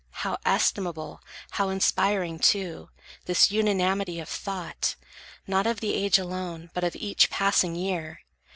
How estimable, how inspiring, too, This unanimity of thought, not of The age alone, but of each passing year!